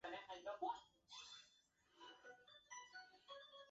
担任过崎玉电视台评论员等职务。